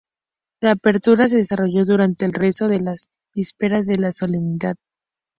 La apertura se desarrolló durante el rezo de las I Vísperas de la Solemnidad.